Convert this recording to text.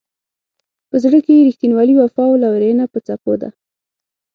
په زړه کې یې رښتینولي، وفا او لورینه په څپو ده.